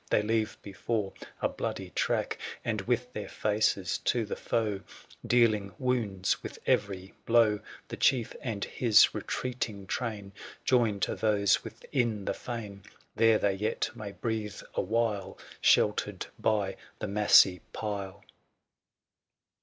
They leave before a bloody track; 870 And, with their faces to the foe, Deahng wounds with every blow. The chief, and his retreating ir^ain, Join to those within the fane: There they yet may breathe awhile, 875 Sheltered by the massy pile.